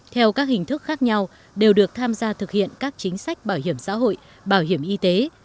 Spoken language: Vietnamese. theo các hình thức khác nhau đều được tham gia thực hiện các chính sách bảo hiểm xã hội bảo hiểm y tế